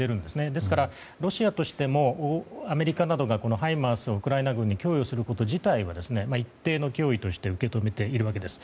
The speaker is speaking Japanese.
ですからロシアとしてもアメリカなどがハイマースをウクライナ軍に供与すること自体は一定の脅威として受け止めているわけです。